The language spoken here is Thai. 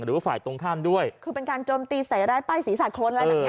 หรือว่าฝ่ายตรงข้ามด้วยคือเป็นการโจมตีใส่ร้ายป้ายศีรษะคนอะไรแบบเนี้ย